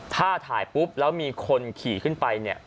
ถ้าถ่ายปุ๊บแล้วมีคนขี่ขึ้นไปเนี่ย